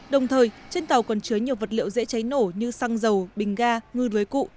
đồng thời trên tàu còn chứa nhiều vật liệu dễ cháy nổ như xăng dầu bình ga ngư lưới cụ